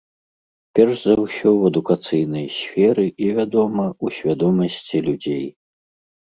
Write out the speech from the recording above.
Перш за ўсё ў адукацыйнай сферы і, вядома, у свядомасці людзей.